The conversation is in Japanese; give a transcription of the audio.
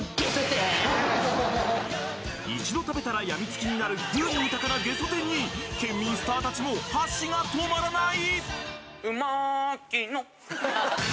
一度食べたらやみつきになる風味豊かなゲソ天にケンミンスター達も箸が止まらない！